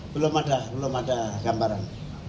belum ada belum ada gambaran